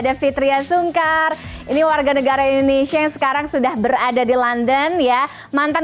ada fitriah sungkar ini warga negara indonesia yang sekarang sudah berada di london ya mantan